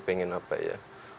pengen apa ya